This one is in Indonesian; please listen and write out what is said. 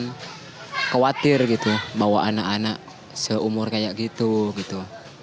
saya khawatir gitu bawa anak anak seumur kayak gitu gitu